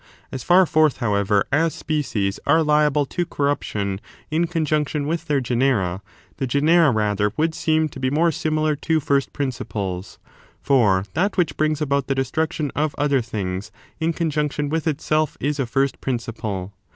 As fiur forth, however, as species are liable to corruption in conjunction with their genera, the genera rather would seem to be more similar to first principles ; for that which brings about the destruction of other things in conjunction with itself is a first principle.